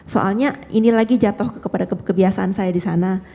soalnya ini lagi jatuh kepada kebiasaan saya di sana